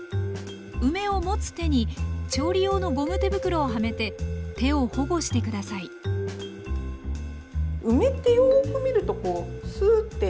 梅を持つ手に調理用のゴム手袋をはめて手を保護して下さい梅ってよく見るとスーッって。